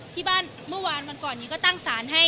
ที่บ้านเมื่อวานวันก่อนนี้ก็ตั้งสารให้